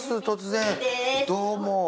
突然どうも。